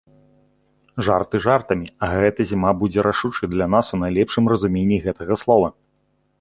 Жарты жартамі, а гэта зіма будзе рашучай для нас у найлепшым разуменні гэтага слова.